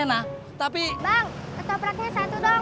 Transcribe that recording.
bang atau peraknya satu dong